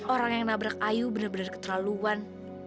orang yang nabrak ayu bener bener keterlaluan